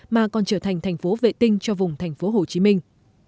mà còn trở thành thành phố vệ tinh cho vùng thành phố hồ chí minh